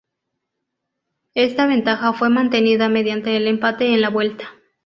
Esta ventaja fue mantenida mediante el empate en la vuelta.